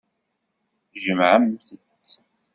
Jemɛemt-t.